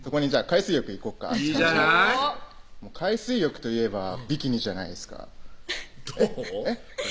海水浴といえばビキニじゃないですかどう？